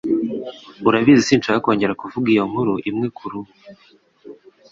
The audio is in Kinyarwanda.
Urabizi sinshaka kongera kuvuga iyo nkuru imwe kurubu